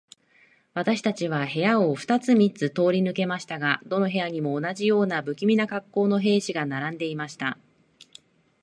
私たちは部屋を二つ三つ通り抜けましたが、どの部屋にも、同じような無気味な恰好の兵士が並んでいました。